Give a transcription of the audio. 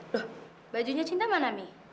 loh bajunya cinta mana nih